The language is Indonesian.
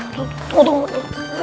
tunggu tunggu tunggu